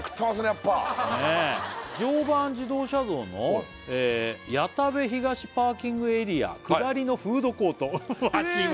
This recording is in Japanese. やっぱねえ常磐自動車道の谷田部東パーキングエリア下りのフードコートえ